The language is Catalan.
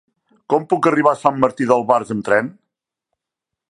Com puc arribar a Sant Martí d'Albars amb tren?